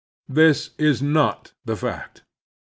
This is not the fact.